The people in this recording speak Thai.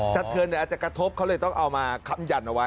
เทือนอาจจะกระทบเขาเลยต้องเอามาค้ำยันเอาไว้